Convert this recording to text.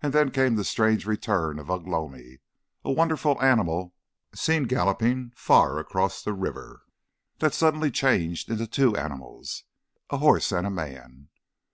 And then came the strange return of Ugh lomi, a wonderful animal seen galloping far across the river, that suddenly changed into two animals, a horse and a man.